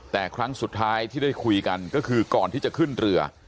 แต่ครั้งสุดท้ายที่ได้คุยกันก็คือก่อนที่จะขึ้นเรือ